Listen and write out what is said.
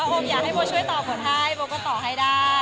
ถ้าโอ้มอยากให้โบช่วยต่อทุกท่าโบ๋ก็ต่อให้ได้